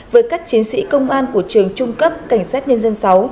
với các chiến sĩ công an của trường trung cấp cảnh sát nhân dân sáu